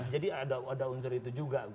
jadi ada unsur itu juga